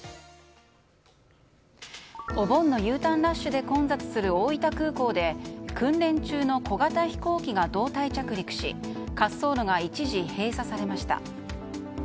お盆のＵターンラッシュで混雑する大分空港で訓練中の小型飛行機が胴体着陸し滑走路が一時、閉鎖されました。